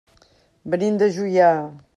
Venim de Juià.